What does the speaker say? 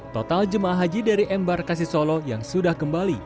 total jemaah haji dari embarkasi solo yang sudah kembali